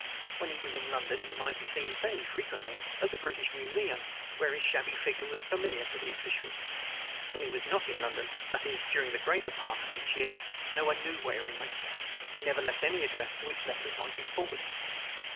When he was in London he might be seen fairly frequently at the British Museum, where his shabby figure was familiar to the officials. When he was not in London that is, during the greater part of each year no one knew where he went. He never left any address to which letters might be forwarded.